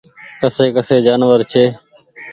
ڪسي ڪسي جآنور ڇي۔